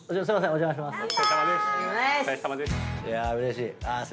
お邪魔します。